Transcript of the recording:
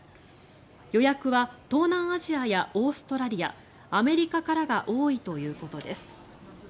予約は東南アジアやオーストラリアアメリカからが多いということです。